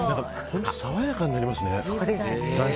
本当爽やかになりますね。